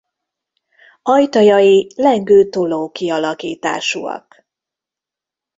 Ajtajai lengő-toló kialakításúak.